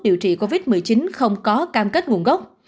điều trị covid một mươi chín không có cam kết nguồn gốc